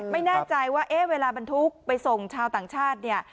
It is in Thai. ไม่แน่ใจว่าเอ๊ะเวลาบรรทุกไปส่งชาวต่างชาติเนี่ย